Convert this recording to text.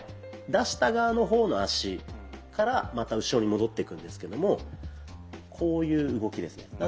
出した側の方の足からまた後ろに戻っていくんですけどもこういう動きですね。